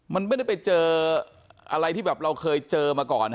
มันไม่ได้ไปเจออะไรที่แบบเราเคยเจอมาก่อน